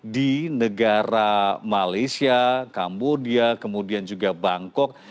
di negara malaysia kambodia kemudian juga bangkok